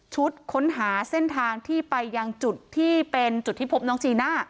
ชุดค้นหาเส้นทางที่ไปที่ในจุดที่พบน้องจีน่า